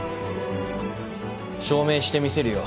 証明してみせるよ